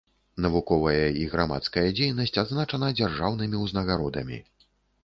Навуковая і грамадская дзейнасць адзначана дзяржаўнымі ўзнагародамі.